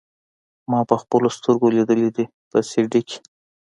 ما پخپلو سترګو ليدلي دي په سي ډي کښې.